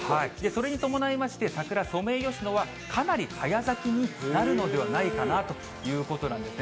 それに伴いまして、桜、ソメイヨシノはかなり早咲きになるのではないかなということなんですね。